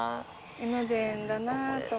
江ノ電だなと思い。